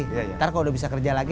ntar kalau udah bisa kerja lagi